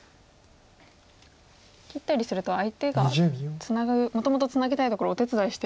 切ったりすると相手がもともとツナぎたいところをお手伝いしてる意味も。